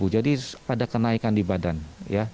jadi ada kenaikan di badan ya